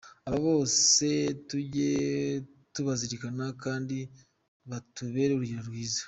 Abo bose tujye tubazirikana kandi batubere urugero rwiza.